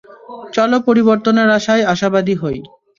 চলো পরিবর্তনের আশায় আশাবাদী হই।